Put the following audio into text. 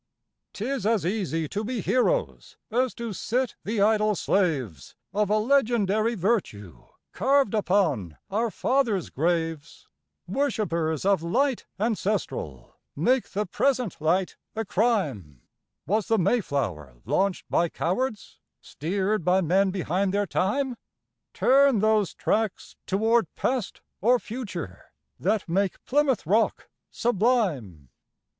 'Tis as easy to be heroes as to sit the idle slaves Of a legendary virtue carved upon our father's graves, Worshippers of light ancestral make the present light a crime;— Was the Mayflower launched by cowards, steered by men behind their time? Turn those tracks toward Past or Future, that make Plymouth Rock sublime?